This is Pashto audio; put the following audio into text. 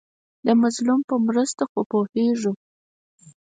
د مظلوم په مرسته خو پوهېږو.